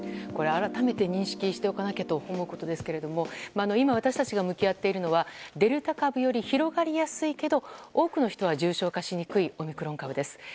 改めて認識しておかなきゃと思うことですが今、私たちが向き合っているのはデルタ株より広がりやすいけど多くの人は重症化しにくいオミクロン株です。